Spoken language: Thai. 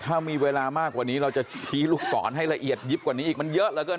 ถ้ามีเวลามากกว่านี้เราจะชี้ลูกศรให้ละเอียดยิบกว่านี้อีกมันเยอะเหลือเกิน